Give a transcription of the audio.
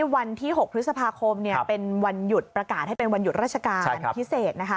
วันที่๖พฤษภาคมเป็นวันหยุดประกาศให้เป็นวันหยุดราชการพิเศษนะคะ